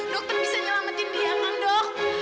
dokter bisa nyelamatin dia kan dok